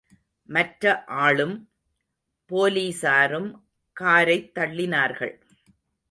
மற்ற ஆளும், போலீஸாரும் காரைத் தள்ளினார்கள்.